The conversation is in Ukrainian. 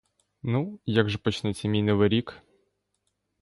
Ну, як же почнеться мій новий рік?!